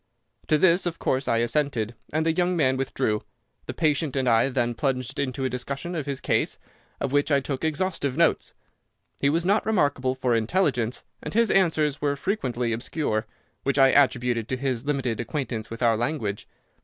"To this, of course, I assented, and the young man withdrew. The patient and I then plunged into a discussion of his case, of which I took exhaustive notes. He was not remarkable for intelligence, and his answers were frequently obscure, which I attributed to his limited acquaintance with our language.